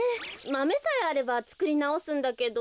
マメさえあればつくりなおすんだけど。